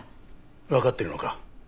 わかってるのか？